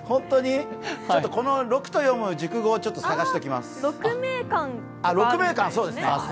この「ろく」と読む熟語を探しておきます。